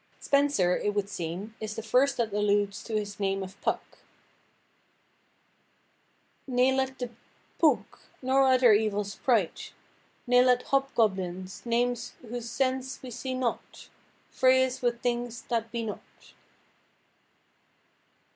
Spenser, it would seem, is the first that alludes to his name of Puck:— "Ne let the Pouke, nor other evill spright, Ne let Hob–goblins, names whose sense we see not, Fray us with things that be not."